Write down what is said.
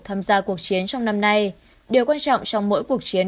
tham gia cuộc chiến trong năm nay điều quan trọng trong mỗi cuộc chiến